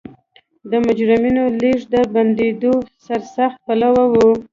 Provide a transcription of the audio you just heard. د مجرمینو لېږد د بندېدو سرسخت پلوی و.